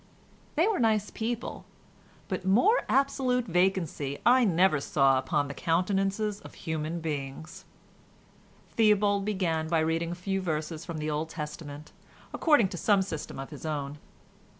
They were nice people, but more absolute vacancy I never saw upon the countenances of human beings. Theobald began by reading a few verses from the Old Testament, according to some system of his own.